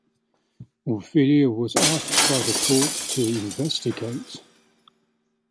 Orfila was asked by the court to investigate.